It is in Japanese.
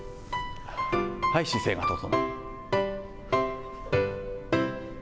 はい、姿勢が整う。